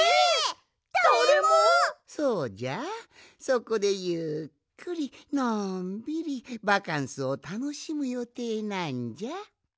そこでゆっくりのんびりバカンスをたのしむよていなんじゃ。